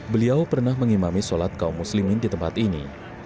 beliau pernah mengimami sholat kaum muslimin di tempat ini